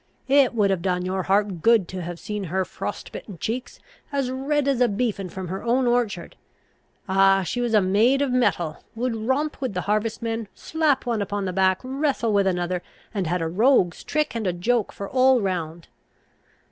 It would have done your heart good to have seen her frost bitten cheeks, as red as a beefen from her own orchard! Ah! she was a maid of mettle; would romp with the harvestmen, slap one upon the back, wrestle with another, and had a rogue's trick and a joke for all round.